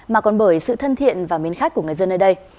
mà còn bởi sự thân thiện và mến khách của người dân nơi đây